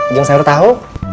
jeng sayur tahu